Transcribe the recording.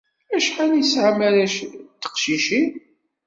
Acḥal i tesɛam arrac d teqcicin?